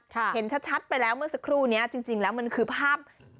เห็นชัดไปแล้วเมื่อสักครู่นี้จริงแล้วมันคือภาพ